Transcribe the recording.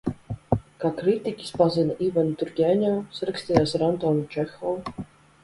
Kā kritiķis pazina Ivanu Turgeņevu, sarakstījās ar Antonu Čehovu.